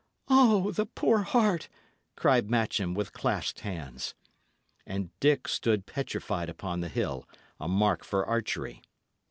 "O, the poor heart!" cried Matcham, with clasped hands. And Dick stood petrified upon the hill, a mark for archery.